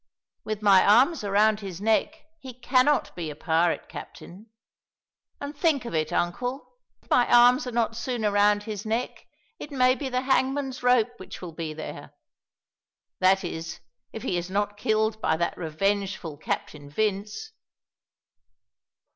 With my arms around his neck he cannot be a pirate captain. And think of it, uncle! If my arms are not soon around his neck, it may be the hangman's rope which will be there. That is, if he is not killed by that revengeful Captain Vince."